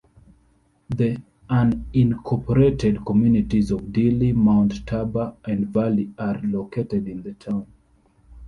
The unincorporated communities of Dilly, Mount Tabor, and Valley are located in the town.